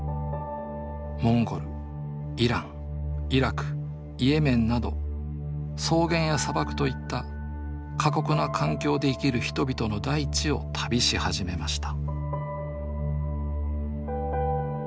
モンゴルイランイラクイエメンなど草原や砂漠といった過酷な環境で生きる人々の大地を旅し始めました